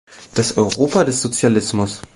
Das Europa des Sozialismus.